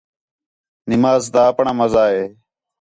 نماز تا آپݨاں مزہ ہے